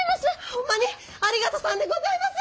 ホンマにありがとさんでございます！